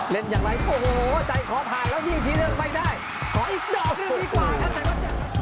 เล่นอย่างไรโอ้โหใจขอผ่านแล้วยิงทีเรื่องไม่ได้ขออีกดอกเรื่องดีกว่าครับใส่ว่าจะ